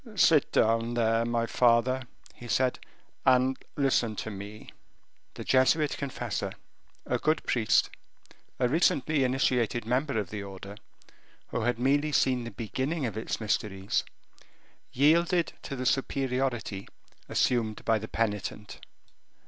"Sit down, there, my father," he said, "and listen to me." The Jesuit confessor, a good priest, a recently initiated member of the order, who had merely seen the beginning of its mysteries, yielded to the superiority assumed by the penitent.